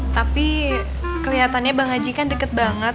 tapi kelihatannya bang haji kan deket banget